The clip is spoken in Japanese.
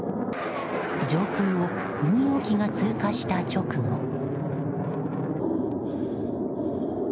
上空を軍用機が通過した直後。